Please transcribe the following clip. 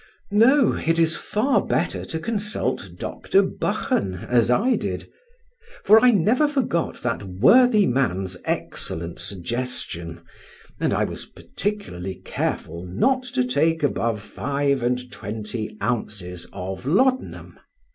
No; it is far better to consult Dr. Buchan, as I did; for I never forgot that worthy man's excellent suggestion, and I was "particularly careful not to take above five and twenty ounces of laudanum."